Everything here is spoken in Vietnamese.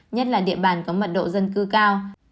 nhất là địa bàn có mật độ dân cư cao